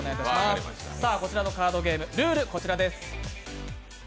こちらのカードゲーム、ルールはこちらです。